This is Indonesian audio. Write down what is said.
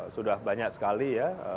sudah banyak sekali ya